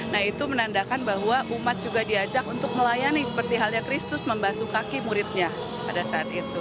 nah itu menandakan bahwa umat juga diajak untuk melayani seperti halnya kristus membasu kaki muridnya pada saat itu